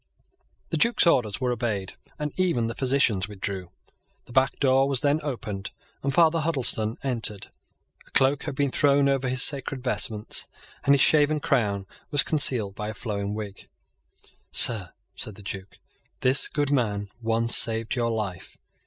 The Duke's orders were obeyed; and even the physicians withdrew. The back door was then opened; and Father Huddleston entered. A cloak had been thrown over his sacred vestments; and his shaven crown was concealed by a flowing wig. "Sir," said the Duke, "this good man once saved your life.